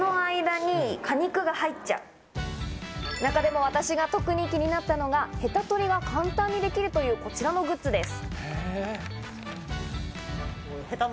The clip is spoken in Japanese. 中でも私が特に気になったのが、ヘタ取りが簡単にできるというこちらのグッズです。